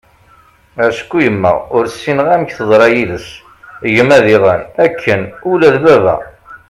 acku yemma ur ssineγ amek teḍṛa yid-s, gma diγen akken, ula d baba